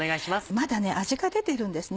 まだ味が出てるんですね。